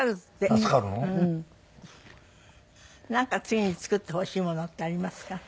なんか次に作ってほしいものってありますか？